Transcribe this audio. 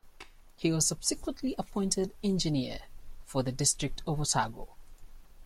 He was subsequently appointed engineer for the District of Otago.